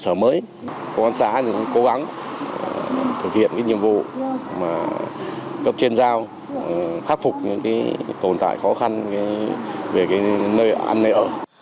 công an xã thì cũng cố gắng thực hiện cái nhiệm vụ mà cấp trên giao khắc phục những cái cổ tải khó khăn về cái nơi ăn nơi ở